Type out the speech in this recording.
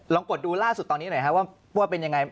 กดดูล่าสุดตอนนี้หน่อยครับว่าเป็นยังไง